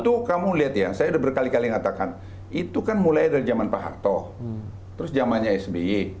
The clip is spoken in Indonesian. itu kamu lihat ya saya udah berkali kali ngatakan itu kan mulai dari zaman pak harto terus jamannya sby